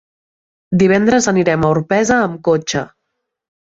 Divendres anirem a Orpesa amb cotxe.